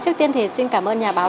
trước tiên thì xin cảm ơn nhà báo